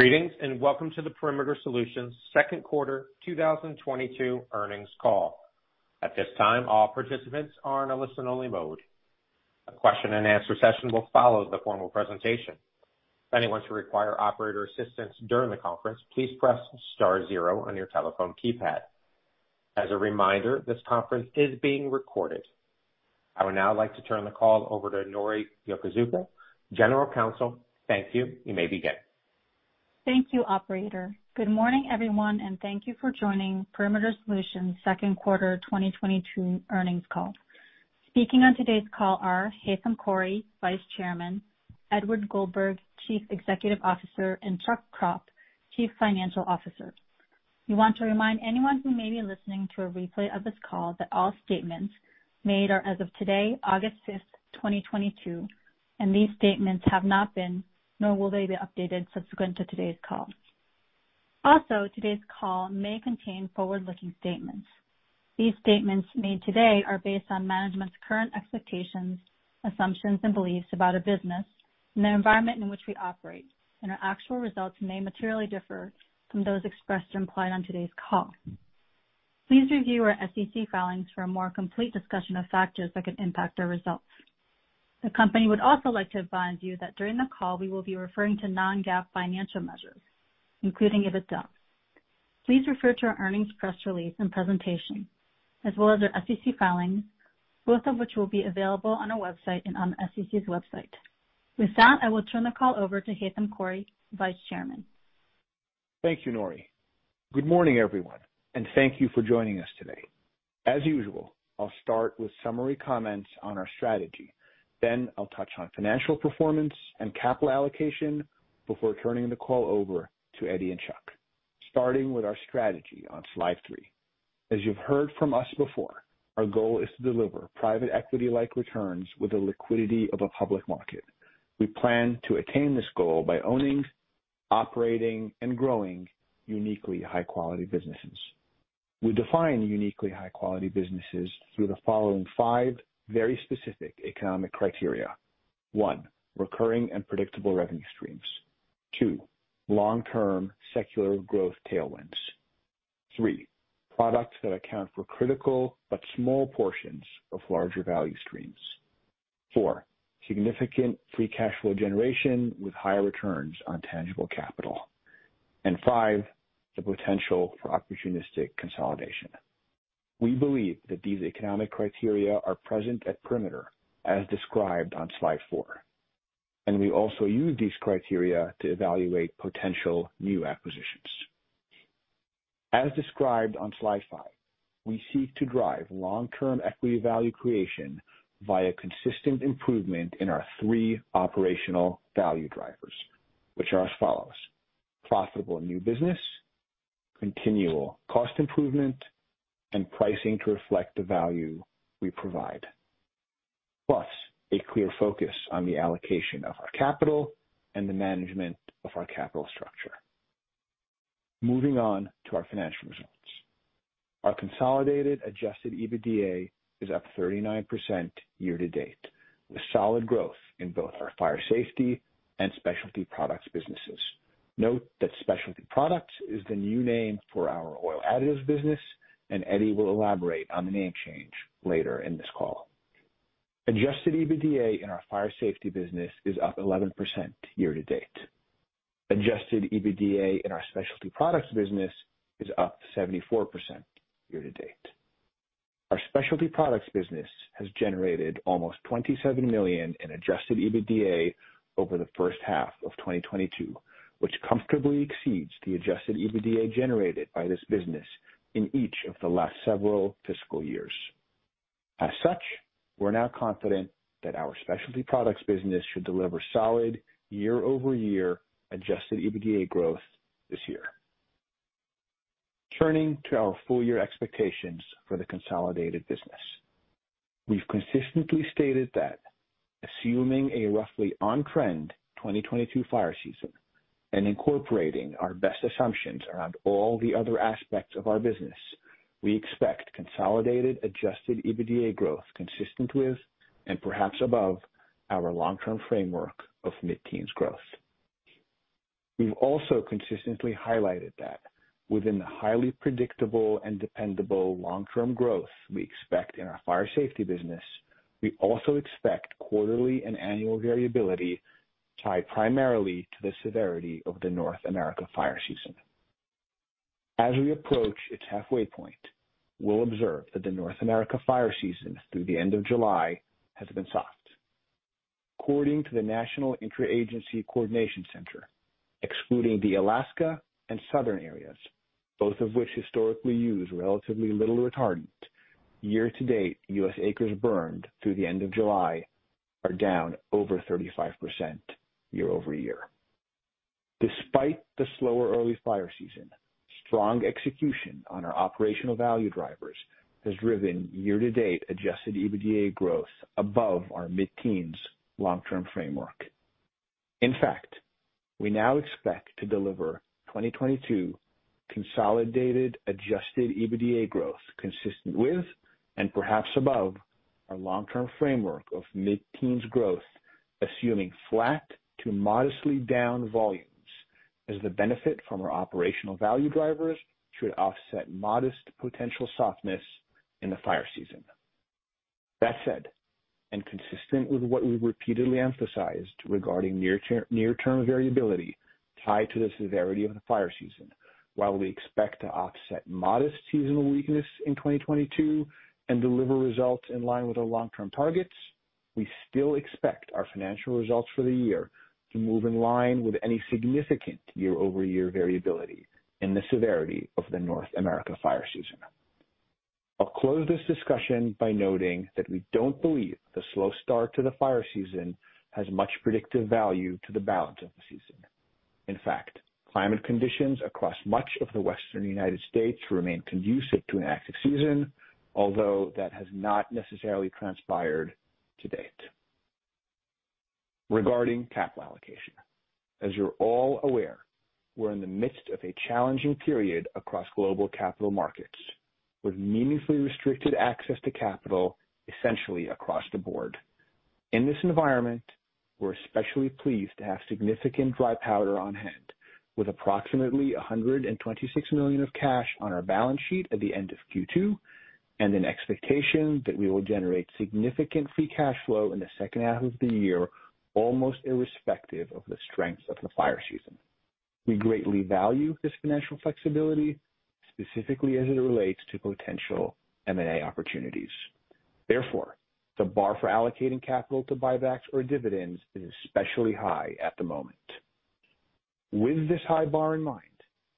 Greetings, and welcome to the Perimeter Solutions Q2 2022 earnings call. At this time, all participants are in a listen-only mode. A question and answer session will follow the formal presentation. If anyone should require operator assistance during the conference, please press star zero on your telephone keypad. As a reminder, this conference is being recorded. I would now like to turn the call over to Noriko Yokozuka, General Counsel. Thank you. You may begin. Thank you, operator. Good morning, everyone, and thank you for joining Perimeter Solutions Q2 2022 earnings call. Speaking on today's call are Haitham Khouri, Vice Chairman, Edward Goldberg, Chief Executive Officer, and Charles Kropp, Chief Financial Officer. We want to remind anyone who may be listening to a replay of this call that all statements made are as of today, August 5, 2022, and these statements have not been, nor will they be updated subsequent to today's call. Also, today's call may contain forward-looking statements. These statements made today are based on management's current expectations, assumptions, and beliefs about our business and the environment in which we operate, and our actual results may materially differ from those expressed or implied on today's call. Please review our SEC filings for a more complete discussion of factors that could impact our results. The company would also like to advise you that during the call we will be referring to non-GAAP financial measures, including EBITDA. Please refer to our earnings press release and presentation as well as our SEC filings, both of which will be available on our website and on the SEC's website. With that, I will turn the call over to Haitham Khouri, Vice Chairman. Thank you, Nori. Good morning, everyone, and thank you for joining us today. As usual, I'll start with summary comments on our strategy. Then I'll touch on financial performance and capital allocation before turning the call over to Eddie and Chuck. Starting with our strategy on slide three. As you've heard from us before, our goal is to deliver private equity-like returns with the liquidity of a public market. We plan to attain this goal by owning, operating, and growing uniquely high-quality businesses. We define uniquely high-quality businesses through the following five very specific economic criteria. One, recurring and predictable revenue streams. Two, long-term secular growth tailwinds. Three, products that account for critical but small portions of larger value streams. Four, significant free cash flow generation with high returns on tangible capital. Five, the potential for opportunistic consolidation. We believe that these economic criteria are present at Perimeter as described on slide four, and we also use these criteria to evaluate potential new acquisitions. As described on slide five, we seek to drive long-term equity value creation via consistent improvement in our three operational value drivers, which are as follows. Profitable new business, continual cost improvement, and pricing to reflect the value we provide, plus a clear focus on the allocation of our capital and the management of our capital structure. Moving on to our financial results. Our consolidated adjusted EBITDA is up 39% year to date, with solid growth in both our Fire Safety and Specialty Products businesses. Note that Specialty Products is the new name for our Oil Additives business, and Eddie will elaborate on the name change later in this call. Adjusted EBITDA in our Fire Safety business is up 11% year-to-date. Adjusted EBITDA in our Specialty Products business is up 74% year-to-date. Our Specialty Products business has generated almost $27 million in adjusted EBITDA over the first half of 2022, which comfortably exceeds the adjusted EBITDA generated by this business in each of the last several fiscal years. As such, we're now confident that our Specialty Products business should deliver solid year-over-year adjusted EBITDA growth this year. Turning to our full year expectations for the consolidated business. We've consistently stated that assuming a roughly on-trend 2022 fire season and incorporating our best assumptions around all the other aspects of our business, we expect consolidated adjusted EBITDA growth consistent with and perhaps above our long-term framework of mid-teens growth. We've also consistently highlighted that within the highly predictable and dependable long-term growth we expect in our Fire Safety business, we also expect quarterly and annual variability tied primarily to the severity of the North America fire season. As we approach its halfway point, we'll observe that the North America fire season through the end of July has been soft. According to the National Interagency Coordination Center, excluding the Alaska and Southern areas, both of which historically use relatively little retardant, year to date U.S. acres burned through the end of July are down over 35% year-over-year. Despite the slower early fire season, strong execution on our operational value drivers has driven year to date adjusted EBITDA growth above our mid-teens long-term framework. In fact, we now expect to deliver 2022 consolidated adjusted EBITDA growth consistent with and perhaps above our long-term framework of mid-teens growth, assuming flat to modestly down volumes as the benefit from our operational value drivers should offset modest potential softness in the fire season. That said, and consistent with what we've repeatedly emphasized regarding near-term variability tied to the severity of the fire season, while we expect to offset modest seasonal weakness in 2022 and deliver results in line with our long-term targets, we still expect our financial results for the year to move in line with any significant year-over-year variability in the severity of the North America fire season. I'll close this discussion by noting that we don't believe the slow start to the fire season has much predictive value to the balance of the season. In fact, climate conditions across much of the Western United States remain conducive to an active season, although that has not necessarily transpired to date. Regarding capital allocation, as you're all aware, we're in the midst of a challenging period across global capital markets, with meaningfully restricted access to capital essentially across the board. In this environment, we're especially pleased to have significant dry powder on hand with approximately $126 million of cash on our balance sheet at the end of Q2, and an expectation that we will generate significant free cash flow in the second half of the year, almost irrespective of the strength of the fire season. We greatly value this financial flexibility, specifically as it relates to potential M&A opportunities. Therefore, the bar for allocating capital to buybacks or dividends is especially high at the moment. With this high bar in mind,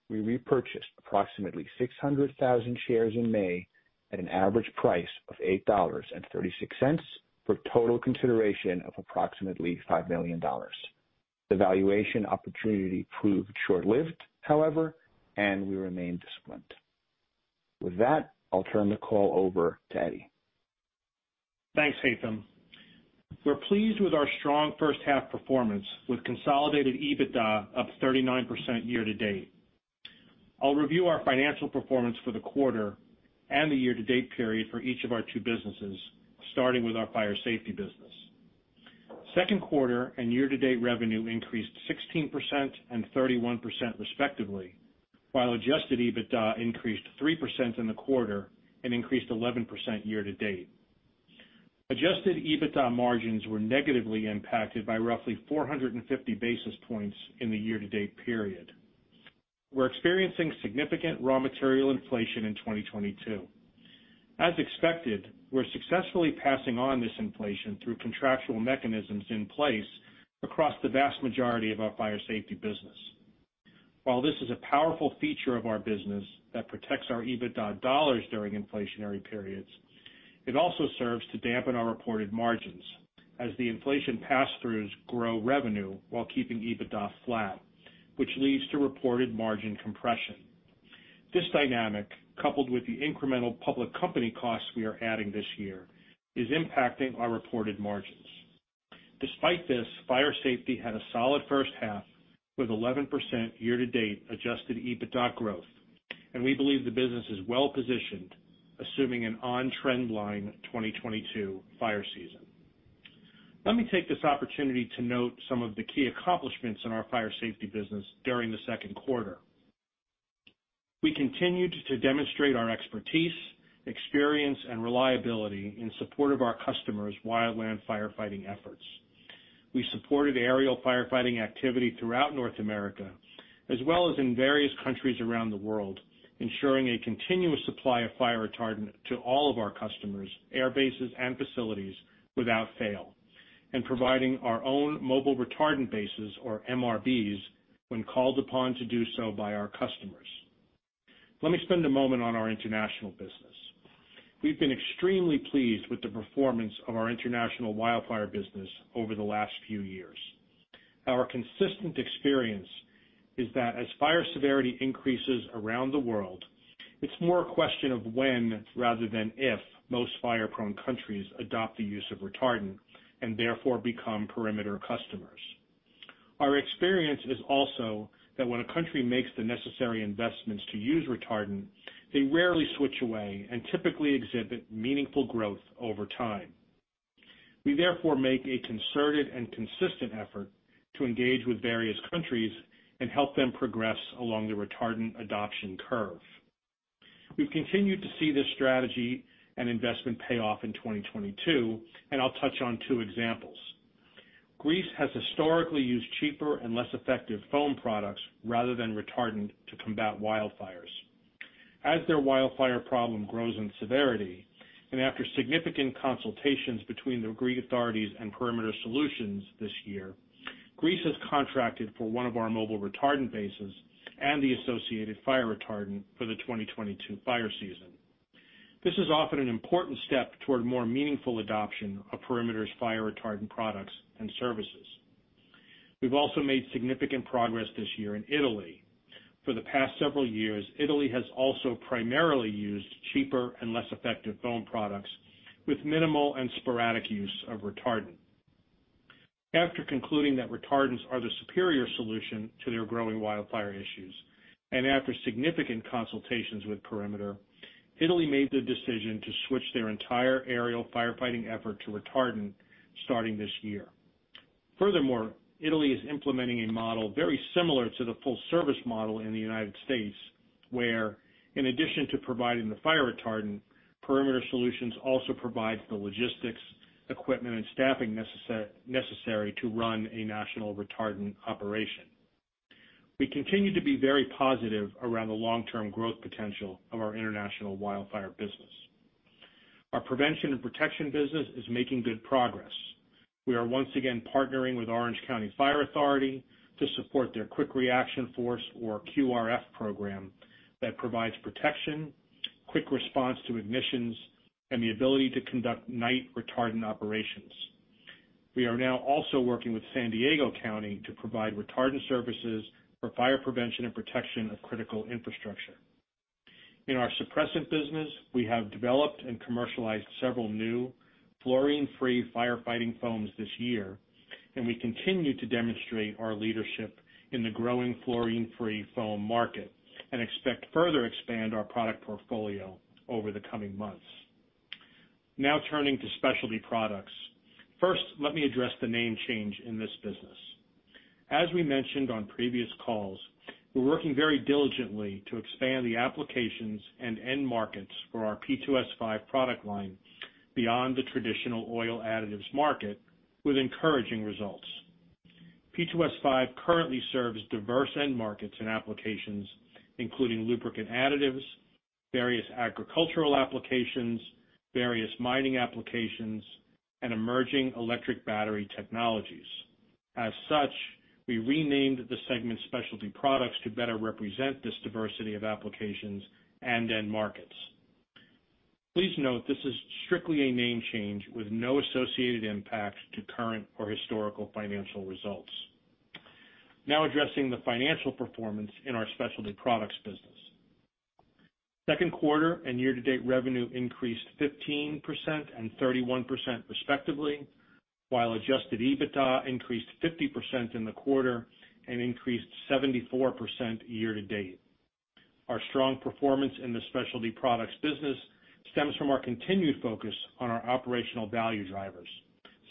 we repurchased approximately 600,000 shares in May at an average price of $8.36, for total consideration of approximately $5 million. The valuation opportunity proved short-lived, however, and we remain disciplined. With that, I'll turn the call over to Eddie. Thanks, Haitham. We're pleased with our strong first half performance, with consolidated EBITDA up 39% year to date. I'll review our financial performance for the quarter and the year to date period for each of our two businesses, starting with our fire safety business. Q2 and year to date revenue increased 16% and 31% respectively, while adjusted EBITDA increased 3% in the quarter and increased 11% year to date. Adjusted EBITDA margins were negatively impacted by roughly 450 basis points in the year to date period. We're experiencing significant raw material inflation in 2022. As expected, we're successfully passing on this inflation through contractual mechanisms in place across the vast majority of our fire safety business. While this is a powerful feature of our business that protects our EBITDA dollars during inflationary periods, it also serves to dampen our reported margins as the inflation pass-throughs grow revenue while keeping EBITDA flat, which leads to reported margin compression. This dynamic, coupled with the incremental public company costs we are adding this year, is impacting our reported margins. Despite this, Fire Safety had a solid first half with 11% year to date adjusted EBITDA growth, and we believe the business is well-positioned, assuming an on trend line 2022 fire season. Let me take this opportunity to note some of the key accomplishments in our Fire Safety business during the Q2. We continued to demonstrate our expertise, experience and reliability in support of our customers' wildland firefighting efforts. We supported aerial firefighting activity throughout North America as well as in various countries around the world, ensuring a continuous supply of fire retardant to all of our customers, air bases and facilities without fail, and providing our own mobile retardant bases or MRBs when called upon to do so by our customers. Let me spend a moment on our international business. We've been extremely pleased with the performance of our international wildfire business over the last few years. Our consistent experience is that as fire severity increases around the world, it's more a question of when rather than if most fire-prone countries adopt the use of retardant and therefore become Perimeter Solutions customers. Our experience is also that when a country makes the necessary investments to use retardant, they rarely switch away and typically exhibit meaningful growth over time. We therefore make a concerted and consistent effort to engage with various countries and help them progress along the retardant adoption curve. We've continued to see this strategy and investment pay off in 2022, and I'll touch on two examples. Greece has historically used cheaper and less effective foam products rather than retardant to combat wildfires. As their wildfire problem grows in severity, and after significant consultations between the Greek authorities and Perimeter Solutions this year, Greece has contracted for one of our mobile retardant bases and the associated fire retardant for the 2022 fire season. This is often an important step toward more meaningful adoption of Perimeter's fire retardant products and services. We've also made significant progress this year in Italy. For the past several years, Italy has also primarily used cheaper and less effective foam products with minimal and sporadic use of retardant. After concluding that retardants are the superior solution to their growing wildfire issues, and after significant consultations with Perimeter, Italy made the decision to switch their entire aerial firefighting effort to retardant starting this year. Furthermore, Italy is implementing a model very similar to the full service model in the United States, where in addition to providing the fire retardant, Perimeter Solutions also provides the logistics, equipment, and staffing necessary to run a national retardant operation. We continue to be very positive around the long-term growth potential of our international wildfire business. Our prevention and protection business is making good progress. We are once again partnering with Orange County Fire Authority to support their Quick Reaction Force, or QRF program, that provides protection, quick response to ignitions, and the ability to conduct night retardant operations. We are now also working with San Diego County to provide retardant services for fire prevention and protection of critical infrastructure. In our suppressant business, we have developed and commercialized several new fluorine-free firefighting foams this year, and we continue to demonstrate our leadership in the growing fluorine-free foam market and expect to further expand our product portfolio over the coming months. Now turning to Specialty Products. First, let me address the name change in this business. As we mentioned on previous calls, we're working very diligently to expand the applications and end markets for our P2S5 product line beyond the traditional oil additives market with encouraging results. P2S5 currently serves diverse end markets and applications, including lubricant additives, various agricultural applications, various mining applications, and emerging electric battery technologies. As such, we renamed the segment Specialty Products to better represent this diversity of applications and end markets. Please note this is strictly a name change with no associated impact to current or historical financial results. Now addressing the financial performance in our Specialty Products business. Q2 and year-to-date revenue increased 15% and 31% respectively, while adjusted EBITDA increased 50% in the quarter and increased 74% year to date. Our strong performance in the Specialty Products business stems from our continued focus on our operational value drivers.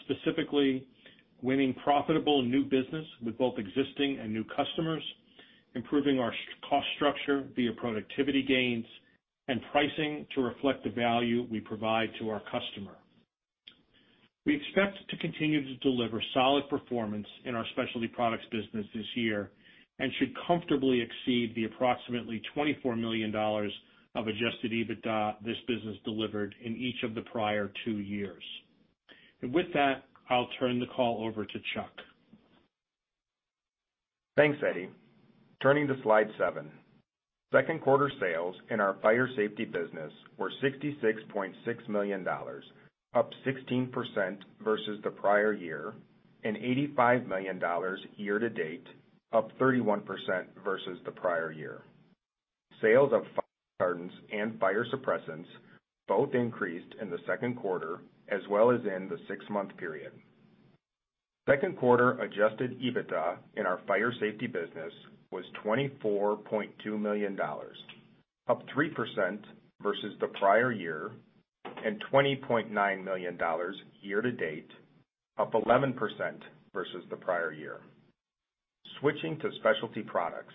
Specifically, winning profitable new business with both existing and new customers, improving our cost structure via productivity gains, and pricing to reflect the value we provide to our customer. We expect to continue to deliver solid performance in our Specialty Products business this year and should comfortably exceed the approximately $24 million of adjusted EBITDA this business delivered in each of the prior two years. With that, I'll turn the call over to Chuck. Thanks, Eddie. Turning to slide seven. Q2 sales in our Fire Safety business were $66.6 million, up 16% versus the prior year, and $85 million year to date, up 31% versus the prior year. Sales of fire retardants and fire suppressants both increased in the Q2 as well as in the six-month period. Q2 adjusted EBITDA in our Fire Safety business was $24.2 million, up 3% versus the prior year, and $20.9 million year to date, up 11% versus the prior year. Switching to Specialty Products.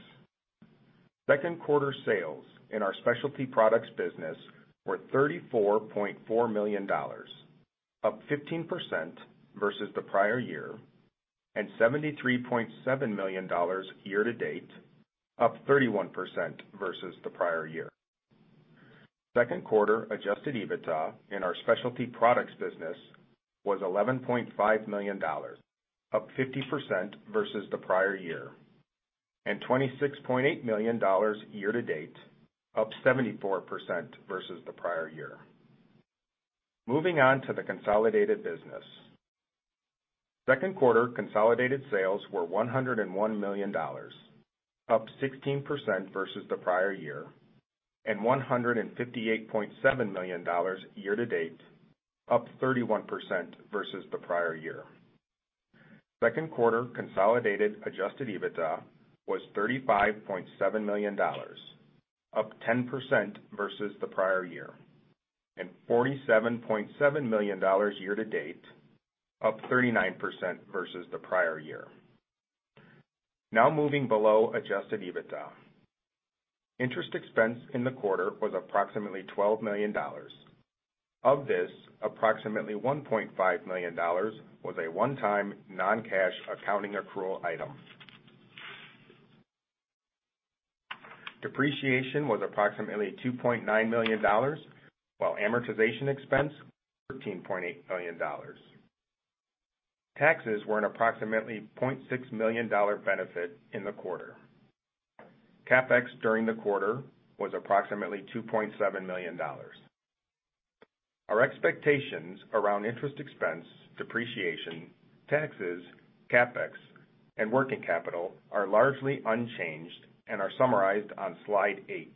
Q2 sales in our Specialty Products business were $34.4 million, up 15% versus the prior year, and $73.7 million year to date, up 31% versus the prior year. Q2 adjusted EBITDA in our Specialty Products business was $11.5 million, up 50% versus the prior year, and $26.8 million year to date, up 74% versus the prior year. Moving on to the consolidated business. Q2 consolidated sales were $101 million, up 16% versus the prior year, and $158.7 million year to date, up 31% versus the prior year. Q2 consolidated adjusted EBITDA was $35.7 million, up 10% versus the prior year, and $47.7 million year to date, up 39% versus the prior year. Now moving below adjusted EBITDA. Interest expense in the quarter was approximately $12 million. Of this, approximately $1.5 million was a one-time non-cash accounting accrual item. Depreciation was approximately $2.9 million, while amortization expense, $13.8 million. Taxes were an approximately $0.6 million dollar benefit in the quarter. CapEx during the quarter was approximately $2.7 million. Our expectations around interest expense, depreciation, taxes, CapEx, and working capital are largely unchanged and are summarized on slide eight.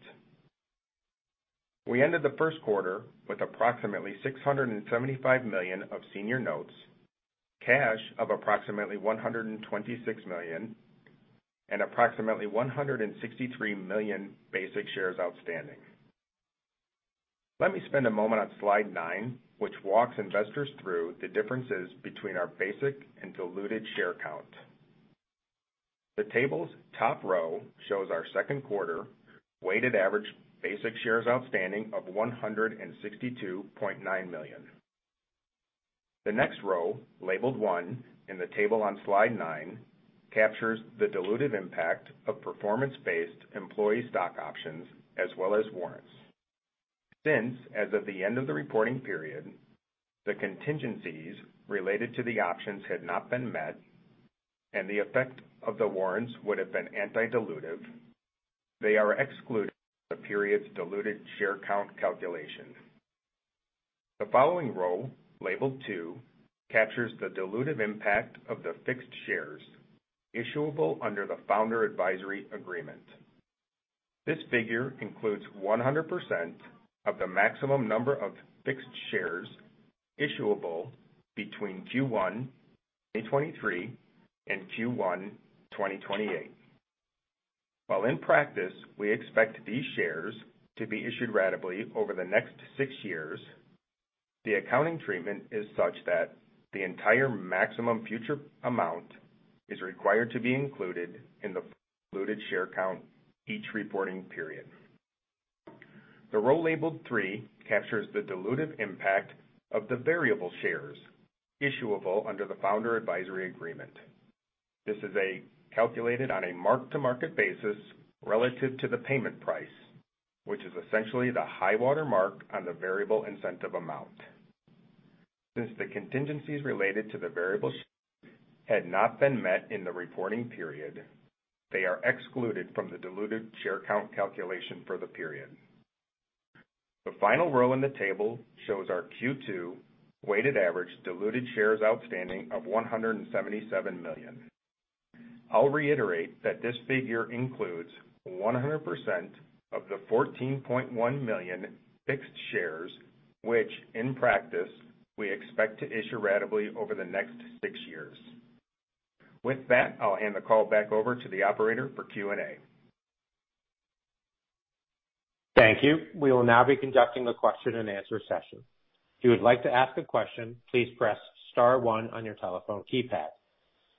We ended the Q1 with approximately $675 million of senior notes, cash of approximately $126 million, and approximately 163 million basic shares outstanding. Let me spend a moment on slide nine, which walks investors through the differences between our basic and diluted share count. The table's top row shows our Q2 weighted average basic shares outstanding of 162.9 million. The next row, labeled one in the table on slide nine, captures the dilutive impact of performance-based employee stock options as well as warrants. Since, as of the end of the reporting period, the contingencies related to the options had not been met and the effect of the warrants would have been anti-dilutive, they are excluded from the period's diluted share count calculation. The following row, labeled two, captures the dilutive impact of the fixed shares issuable under the Founder Advisory Agreement. This figure includes 100% of the maximum number of fixed shares issuable between Q1 2023 and Q1 2028. While in practice, we expect these shares to be issued ratably over the next 6 years, the accounting treatment is such that the entire maximum future amount is required to be included in the diluted share count each reporting period. The row labeled three captures the dilutive impact of the variable shares issuable under the Founder Advisory Agreement. This is calculated on a mark-to-market basis relative to the payment price, which is essentially the high-water mark on the variable incentive amount. Since the contingencies related to the variable shares had not been met in the reporting period, they are excluded from the diluted share count calculation for the period. The final row in the table shows our Q2 weighted average diluted shares outstanding of 177 million. I'll reiterate that this figure includes 100% of the 14.1 million fixed shares, which in practice, we expect to issue ratably over the next six years. With that, I'll hand the call back over to the operator for Q&A. Thank you. We will now be conducting a question-and-answer session. If you would like to ask a question, please press star one on your telephone keypad.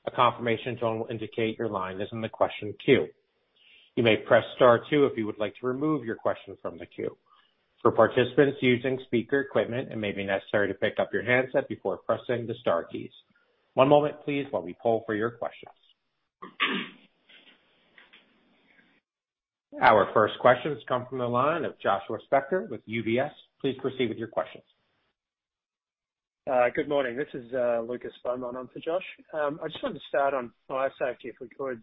A confirmation tone will indicate your line is in the question queue. You may press star two if you would like to remove your question from the queue. For participants using speaker equipment, it may be necessary to pick up your handset before pressing the star keys. One moment please while we poll for your questions. Our first question has come from the line of Joshua Spector with UBS. Please proceed with your questions. Good morning. This is Lucas Beaumont on for Josh. I just wanted to start on Fire Safety, if we could.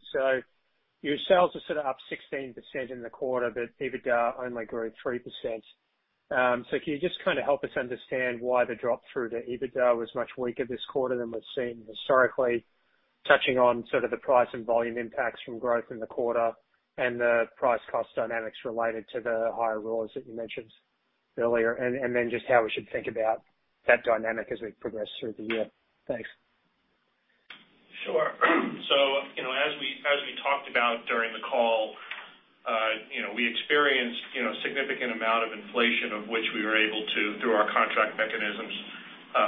Your sales are sort of up 16% in the quarter, but EBITDA only grew 3%. Can you just kind of help us understand why the drop through to EBITDA was much weaker this quarter than we've seen historically, touching on sort of the price and volume impacts from growth in the quarter and the price cost dynamics related to the higher raws that you mentioned earlier? And then just how we should think about that dynamic as we progress through the year. Thanks. Sure. as we talked about during the call we experienced a significant amount of inflation of which we were able to, through our contract mechanisms,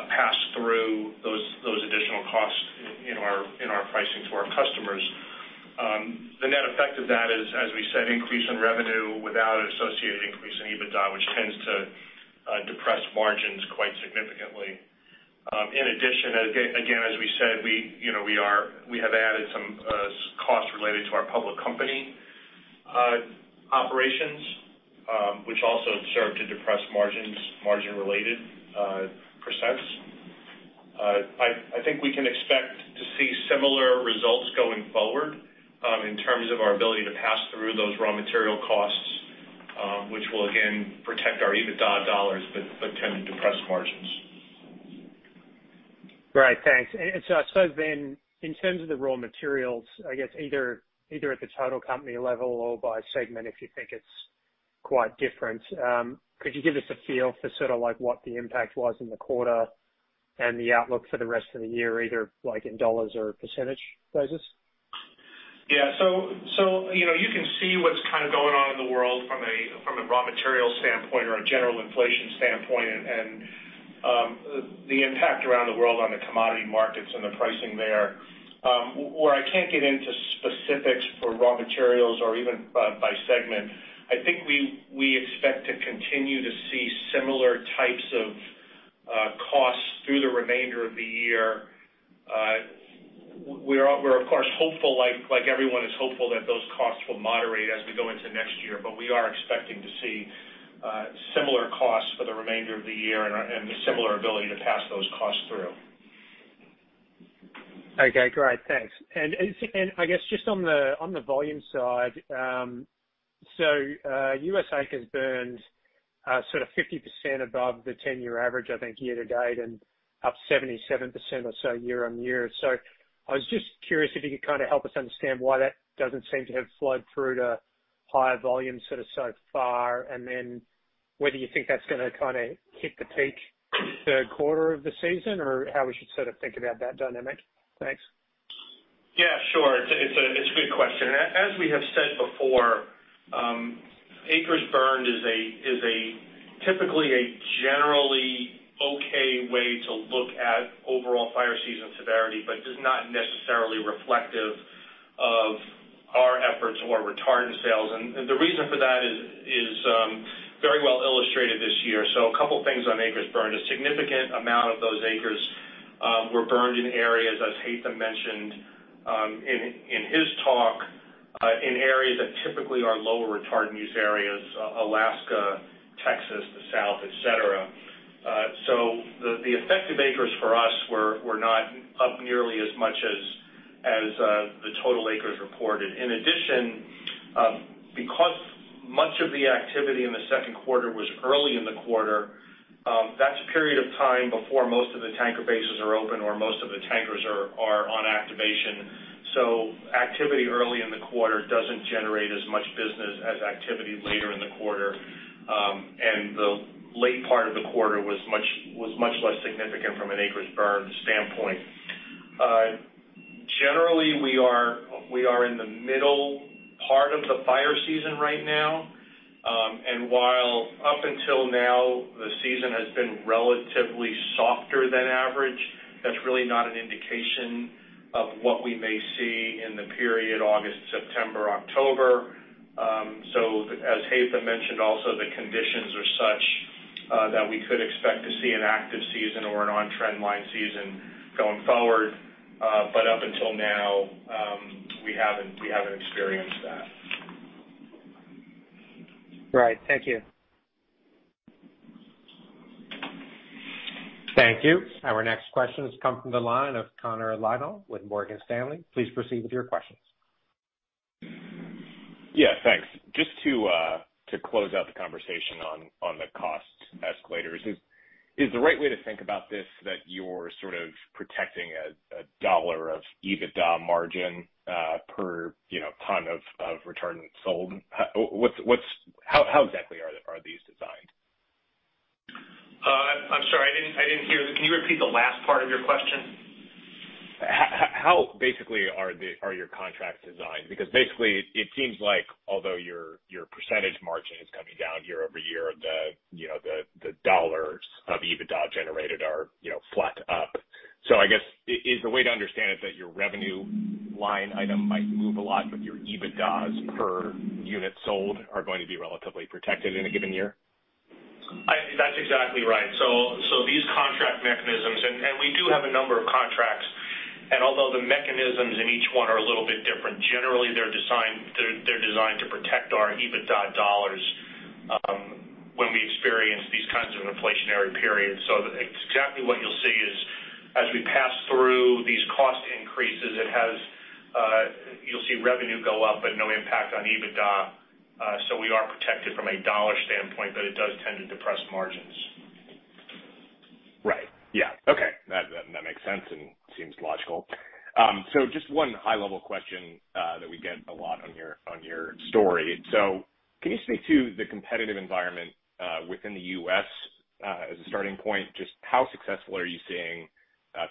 pass through those additional costs in our pricing to our customers. The net effect of that is, as we said, increase in revenue without an associated increase in EBITDA, which tends to depress margins quite significantly. In addition, as we said, we we have added some costs related to our public company operations, which also serve to depress margins, margin-related percents. I think we can expect to see similar results going forward, in terms of our ability to pass through those raw material costs, which will again protect our EBITDA dollars but tend to depress margins. Great. Thanks. I suppose then, in terms of the raw materials, I guess either at the total company level or by segment if you think it's quite different, could you give us a feel for sort of like what the impact was in the quarter and the outlook for the rest of the year, either like in dollars or percentage basis? Yeah. you can see what's kind of going on in the world from a raw material standpoint or a general inflation standpoint and the impact around the world on the commodity markets and the pricing there. Where I can't get into specifics for raw materials or even by segment, I think we expect to continue to see similar types of costs through the remainder of the year. We are of course hopeful, like everyone is hopeful that those costs will moderate as we go into next year. We are expecting to see similar costs for the remainder of the year and a similar ability to pass those costs through. Okay. Great. Thanks. I guess just on the volume side, U.S. acres burned sort of 50% above the 10-year average, I think year to date and up 77% or so year-on-year. I was just curious if you could kind of help us understand why that doesn't seem to have flowed through to higher volumes sort of so far. Whether you think that's going to kinda kick in to take the quarter of the season or how we should sort of think about that dynamic? Thanks. Yeah, sure. It's a good question. As we have said before, acres burned is typically a generally okay way to look at overall fire season severity, but is not necessarily reflective of our efforts or retardant sales. The reason for that is very well illustrated this year. A couple things on acres burned. A significant amount of those acres were burned in areas, as Haitham mentioned, in his talk, in areas that typically are lower retardant use areas, Alaska, Texas, the South, et cetera. The effective acres for us were not up nearly as much as the total acres reported. In addition, because much of the activity in the Q2 was early in the quarter, that's a period of time before most of the tanker bases are open or most of the tankers are on activation. Activity early in the quarter doesn't generate as much business as activity later in the quarter. The late part of the quarter was much less significant from an acres burned standpoint. Generally, we are in the middle part of the fire season right now. While up until now the season has been relatively softer than average, that's really not an indication of what we may see in the period August, September, October. As Haitham mentioned also, the conditions are such that we could expect to see an active season or an on trend line season going forward. Up until now, we haven't experienced that. Right. Thank you. Thank you. Our next question has come from the line of Connor Liddell with Morgan Stanley. Please proceed with your questions. Yeah, thanks. Just to close out the conversation on the cost escalators. Is the right way to think about this that you're sort of protecting a dollar of EBITDA margin per ton of retardant sold? How exactly are these designed? I'm sorry, I didn't hear. Can you repeat the last part of your question? How basically are your contracts designed? Because basically it seems like although your percentage margin is coming down year-over-year, the the dollars of EBITDA generated are flat up. I guess is the way to understand it that your revenue line item might move a lot, but your EBITDA per unit sold are going to be relatively protected in a given year? I think that's exactly right. These contract mechanisms. We do have a number of contracts, and although the mechanisms in each one are a little bit different, generally they're designed to protect our EBITDA dollars when we experience these kinds of inflationary periods. Exactly what you'll see is as we pass through these cost increases, you'll see revenue go up, but no impact on EBITDA. We are protected from a dollar standpoint, but it does tend to depress margins. Right. Yeah. Okay. That makes sense and seems logical. Just one high-level question that we get a lot on your story. Can you speak to the competitive environment within the US as a starting point? Just how successful are you seeing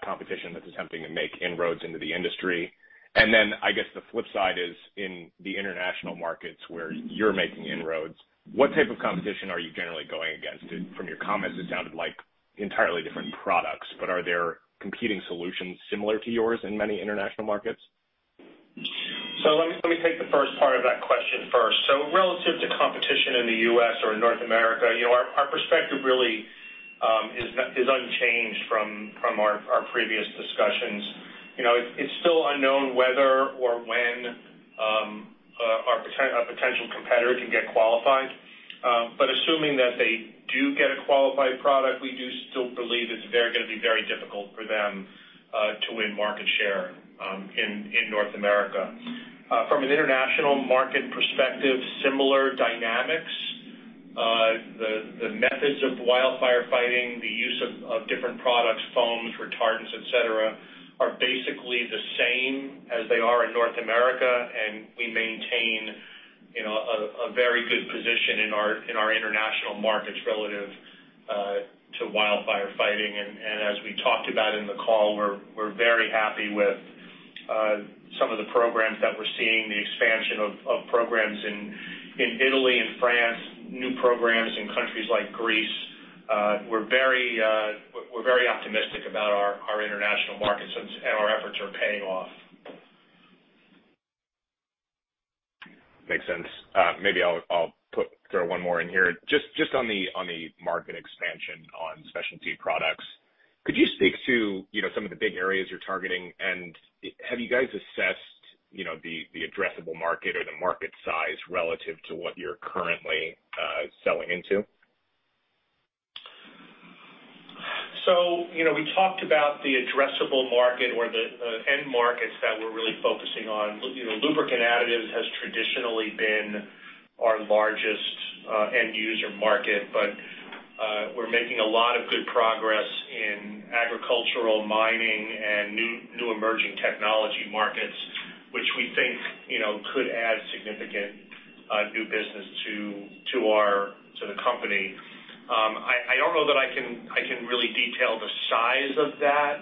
competition that's attempting to make inroads into the industry? Then I guess the flip side is in the international markets where you're making inroads, what type of competition are you generally going against? From your comments, it sounded like entirely different products, but are there competing solutions similar to yours in many international markets? Let me take the first part of that question first. Relative to competition in the U.S. or in North america our perspective really is unchanged from our previous discussions. it's still unknown whether or when a potential competitor can get qualified. But assuming that they do get a qualified product, we do still believe it's going to be very difficult for them to win market share in North America. From an international market perspective, similar dynamics. The methods of wildfire fighting, the use of different products, foams, retardants, et cetera, are basically the same as they are in North America, and we maintain a very good position in our international markets relative to wildfire fighting. As we talked about in the call, we're very happy with some of the programs that we're seeing, the expansion of programs in Italy and France, new programs in countries like Greece. We're very optimistic about our international markets and our efforts are paying off. Makes sense. Maybe I'll throw one more in here. Just on the market expansion on Specialty Products. Could you speak to some of the big areas you're targeting? Have you guys assessed the addressable market or the market size relative to what you're currently selling into? You know, we talked about the addressable market or the end markets that we're really focusing on. lubricant additives has traditionally been our largest end user market, but we're making a lot of good progress in agricultural mining and new emerging technology markets, which we think could add significant new business to our to the company. I don't know that I can really detail the size of that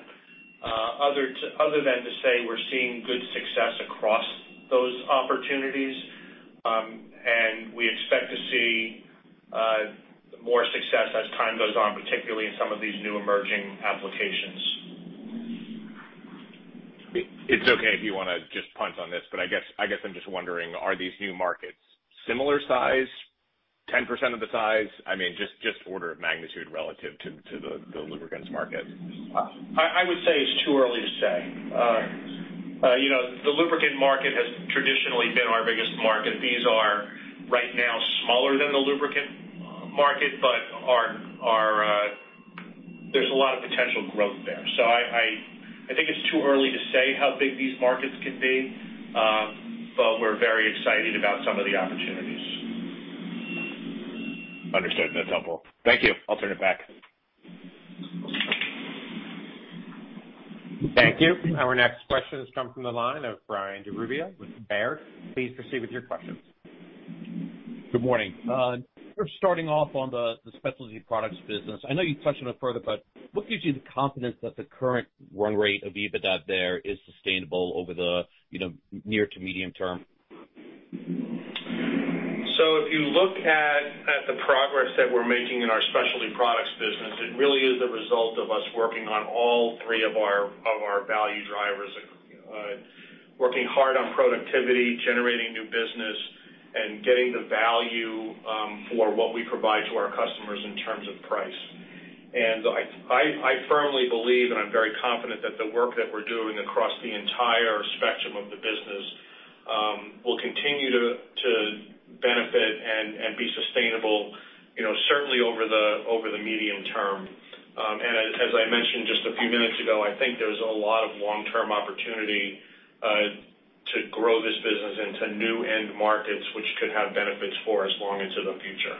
other than to say we're seeing good success across those opportunities. We expect to see more success as time goes on, particularly in some of these new emerging applications. It's okay if you want to just punt on this, but I guess I'm just wondering, are these new markets similar size, 10% of the size? I mean, just order of magnitude relative to the lubricants market. I would say it's too early to say. the lubricant market has traditionally been our biggest market. These are right now smaller than the lubricant market, but are. There's a lot of potential growth there. I think it's too early to say how big these markets can be, but we're very excited about some of the opportunities. Understood. That's helpful. Thank you. I'll turn it back. Thank you. Our next question has come from the line of Brian Drab with Baird. Please proceed with your questions. Good morning. Just starting off on the Specialty Products business. I know you touched on it further, but what gives you the confidence that the current run rate of EBITDA there is sustainable over the near- to medium-term? If you look at the progress that we're making in our Specialty Products business, it really is a result of us working on all three of our value drivers. Working hard on productivity, generating new business, and getting the value for what we provide to our customers in terms of price. I firmly believe, and I'm very confident that the work that we're doing across the entire spectrum of the business will continue to benefit and be sustainable certainly over the medium term. As I mentioned just a few minutes ago, I think there's a lot of long-term opportunity to grow this business into new end markets, which could have benefits for us long into the future.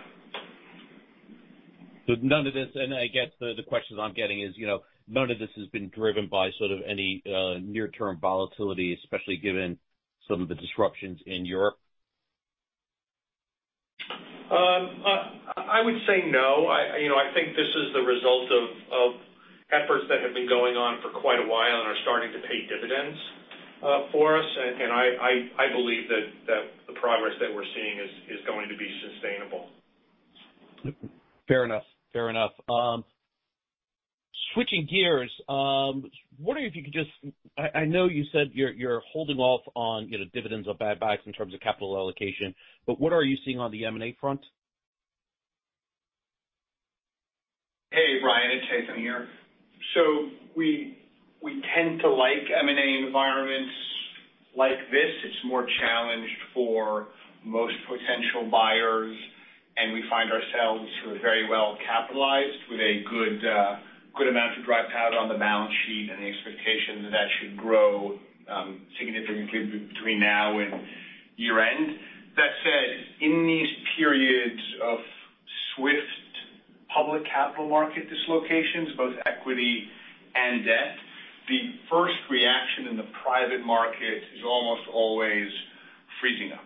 None of this, and I guess the questions I'm getting is none of this has been driven by sort of any, near-term volatility, especially given some of the disruptions in Europe? I would say no. I think this is the result of efforts that have been going on for quite a while and are starting to pay dividends for us. I believe that the progress that we're seeing is going to be sustainable. Fair enough. Switching gears, wondering if you could, I know you said you're holding off on dividends or buybacks in terms of capital allocation, but what are you seeing on the M&A front? Hey, Brian Drab, it's Haitham Khouri here. We tend to like M&A environments like this. It's more challenged for most potential buyers, and we find ourselves sort of very well capitalized with a good amount of dry powder on the balance sheet and the expectation that that should grow significantly between now and year-end. That said, in these periods of swift public capital market dislocations, both equity and debt, the first reaction in the private market is almost always freezing up.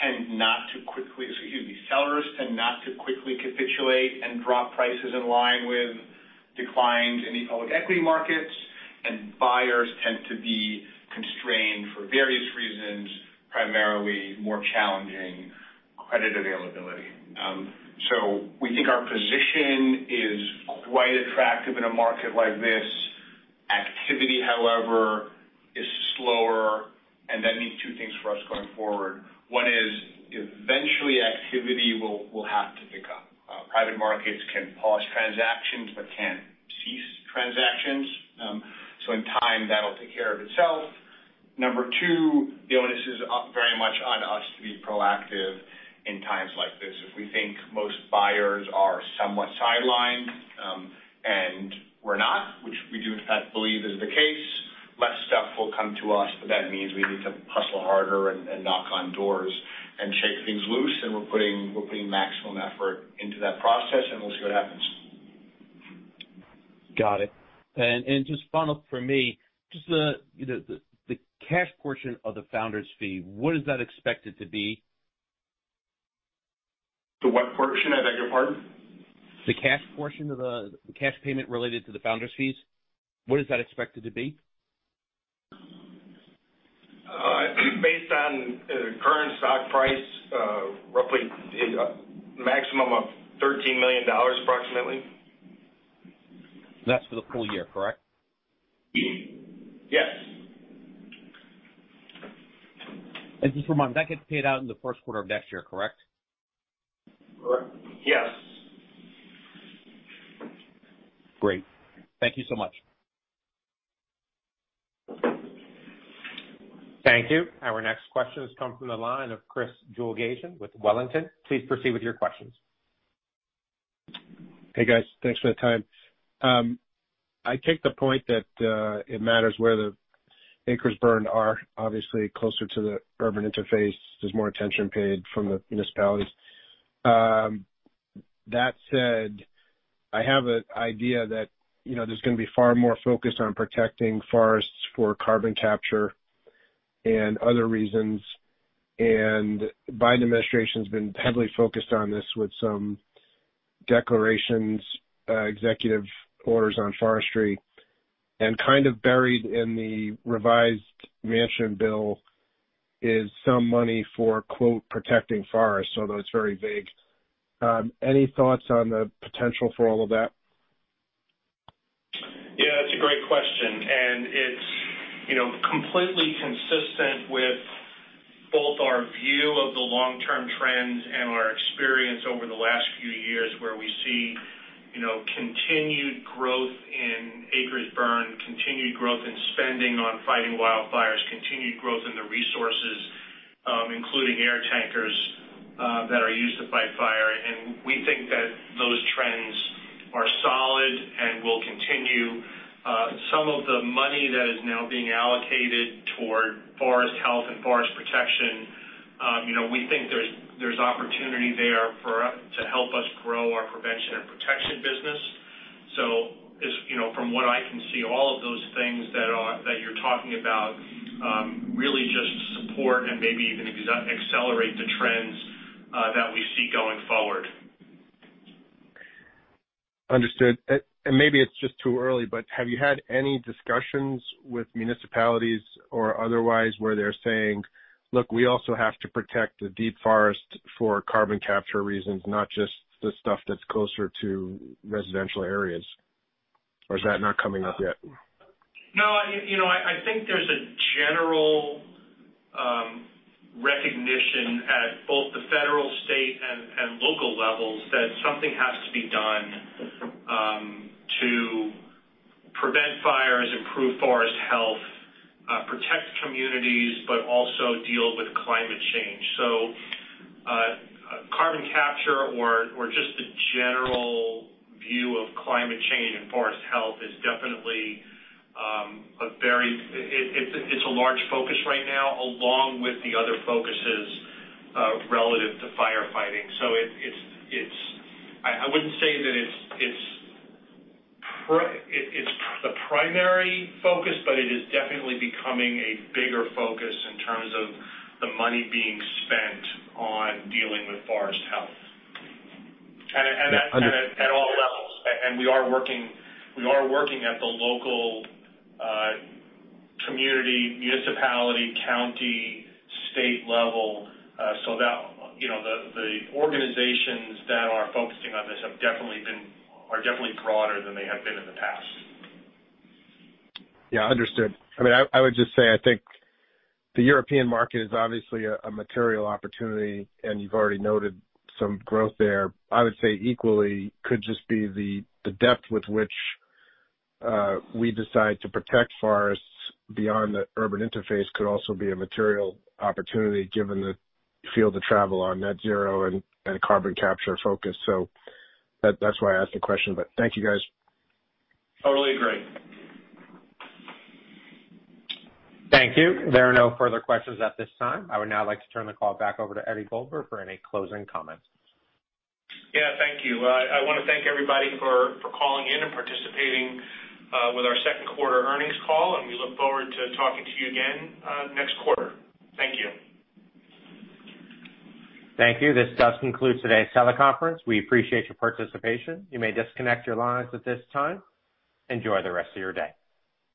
Sellers tend not to quickly capitulate and drop prices in line with declines in the public equity markets, and buyers tend to be constrained for various reasons, primarily more challenging credit availability. We think our position is quite attractive in a market like this. Activity, however, is slower, and that means two things for us going forward. One is eventually activity will have to pick up. Private markets can pause transactions but can't cease transactions. So in time, that'll take care of itself. Number two, the onus is very much on us to be proactive in times like this. If we think most buyers are somewhat sidelined, and we're not, which we do, in fact, believe is the case, less stuff will come to us, but that means we need to hustle harder and knock on doors and shake things loose, and we're putting maximum effort into that process, and we'll see what happens. Got it. Just follow up for me, just the the cash portion of the founder's fee, what is that expected to be? The what portion? I beg your pardon. The cash portion of the cash payment related to the founders fees, what is that expected to be? Based on current stock price, roughly maximum of $13 million, approximately. That's for the full year, correct? Yes. Just one more. That gets paid out in the Q1 of next year, correct? Yes. Great. Thank you so much. Thank you. Our next question has come from the line of Chris Goolgasian with Wellington. Please proceed with your questions. Hey guys, thanks for the time. I take the point that it matters where the acres burned are. Obviously, closer to the urban interface, there's more attention paid from the municipalities. That said, I have an idea that there's going to be far more focus on protecting forests for carbon capture and other reasons, and Biden administration's been heavily focused on this with some declarations, executive orders on forestry. Kind of buried in the revised Manchin bill is some money for, quote, "protecting forests," although it's very vague. Any thoughts on the potential for all of that? Yeah, that's a great question, and it's completely consistent with both our view of the long-term trends and our experience over the last few years, where we see continued growth in acres burned, continued growth in spending on fighting wildfires, continued growth in the resources, including air tankers, that are used to fight fire. We think that those trends are solid and will continue. Some of the money that is now being allocated toward forest health and forest protection we think there's opportunity there to help us grow our prevention and protection business. As from what I can see, all of those things that you're talking about really just support and maybe even accelerate the trends that we see going forward. Understood. Maybe it's just too early, but have you had any discussions with municipalities or otherwise where they're saying, "Look, we also have to protect the deep forest for carbon capture reasons, not just the stuff that's closer to residential areas?" Or is that not coming up yet? No I think there's a general recognition at both the federal, state, and local levels that something has to be done to prevent fires, improve forest health, protect communities, but also deal with climate change. Carbon capture or just the general view of climate change and forest health is definitely a very large focus right now, along with the other focuses relative to firefighting. I wouldn't say that it's the primary focus, but it is definitely becoming a bigger focus in terms of the money being spent on dealing with forest health at all levels. We are working at the local community, municipality, county, state level, so that the organizations that are focusing on this are definitely broader than they have been in the past. Yeah, understood. I mean, I would just say, I think the European market is obviously a material opportunity, and you've already noted some growth there. I would say equally could just be the depth with which we decide to protect forests beyond the urban interface could also be a material opportunity given the field of travel on net zero and carbon capture focus. That's why I asked the question. Thank you, guys. Totally agree. Thank you. There are no further questions at this time. I would now like to turn the call back over to Eddie Goldberg for any closing comments. Yeah, thank you. I want to thank everybody for calling in and participating with our Q2 earnings call. We look forward to talking to you again next quarter. Thank you. Thank you. This does conclude today's teleconference. We appreciate your participation. You may disconnect your lines at this time. Enjoy the rest of your day.